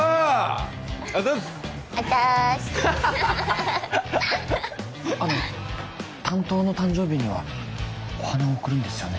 あざっすあざっすあの担当の誕生日にはお花を贈るんですよね？